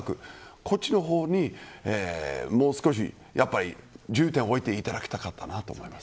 こっちの方にもう少し重点を置いていただきたかったなと思います。